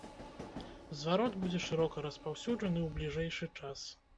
Зварот будзе шырока распаўсюджаны ў бліжэйшы час.